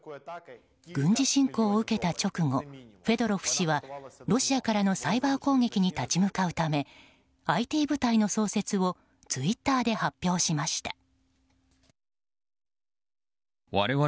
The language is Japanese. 軍事侵攻を受けた直後フェドロフ氏はロシアからのサイバー攻撃に立ち向かうためＩＴ部隊の創設をツイッターで発表しました。